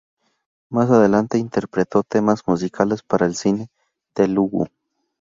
Más adelante interpretó temas musicales para el cine Telugu.